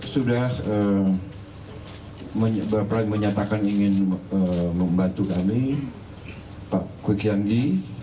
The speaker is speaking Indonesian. sudah bapak menyatakan ingin membantu kami pak kwekianggi